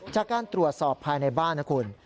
จากการตรวจสอบภายในบ้านนะคุณ